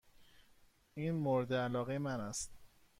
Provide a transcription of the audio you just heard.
این مورد علاقه من است.